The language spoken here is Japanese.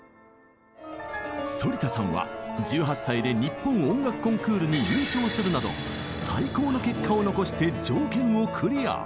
反田さんは１８歳で日本音楽コンクールに優勝するなど最高の結果を残して条件をクリア。